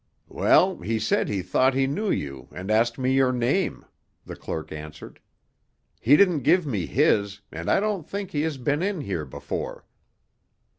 "Well, he said he thought he knew you and asked me your name," the clerk answered. "He didn't give me his, and I don't think he has been in here before."